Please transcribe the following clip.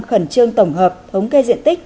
khẩn trương tổng hợp thống kê diện tích